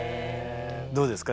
どうですか？